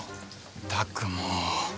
ったくもう。